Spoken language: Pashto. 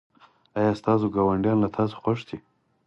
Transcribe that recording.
ایا ستاسو ګاونډیان له تاسو خوښ دي؟